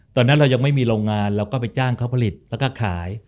ตอนนั้นเรายังไม่มีโรงงานเราก็ไปจ้างเขาผลิตแล้วก็ขาย